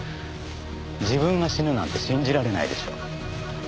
自分が死ぬなんて信じられないでしょう。